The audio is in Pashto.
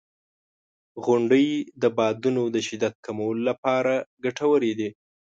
• غونډۍ د بادونو د شدت کمولو لپاره ګټورې دي.